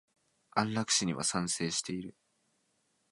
安楽死には賛成している。